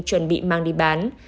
chuẩn bị mang đi bán